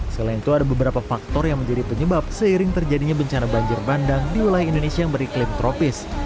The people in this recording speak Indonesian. selain itu ada beberapa faktor yang menjadi penyebab seiring terjadinya bencana banjir bandang di wilayah indonesia yang beriklim tropis